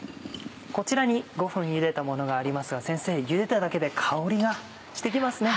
こちらに５分ゆでたものがありますが先生ゆでただけで香りがして来ますね。